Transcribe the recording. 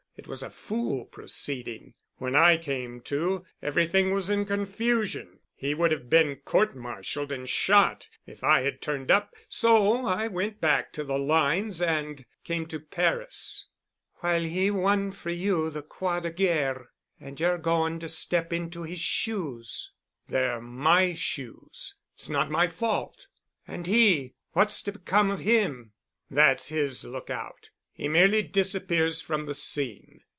It was a fool proceeding. When I came to, everything was in confusion. He would have been courtmartialed and shot if I had turned up, so I went back to the lines and came to Paris——" "While he won you the Croix de Guerre. And you're going to step into his shoes——" "They're my shoes. It's not my fault——" "And he—what's to become of him?" "That's his lookout. He merely disappears from the scene."